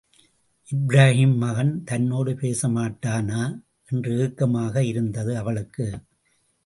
இப்ராஹீம் மகன் தன்னோடு பேசமாட்டானா என்று ஏக்கமாக இருந்தது அவளுக்கு.